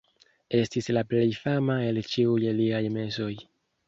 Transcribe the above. Estis la plej fama el ĉiuj liaj mesoj.